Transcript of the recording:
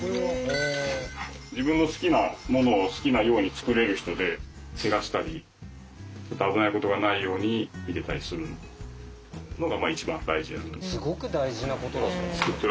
自分の好きなものを好きなように作れる人でけがしたり危ないことがないように見てたりするのが一番大事。